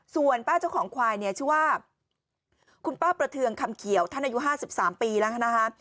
ส่วนป้าเจ้าของควายเนี่ยชื่อว่าคุณป้าประเทืองคำเขียวท่านอายุ๕๓ปีแล้วนะคะ